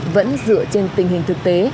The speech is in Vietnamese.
vẫn dựa trên tình hình thực tế